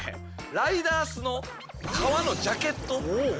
ライダースの革のジャケットを１１万円。